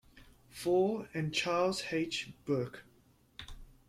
Fall and Charles H. Burke.